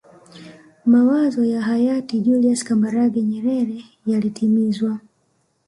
mawazo ya hayati julius kambarage nyerere yalitimizwa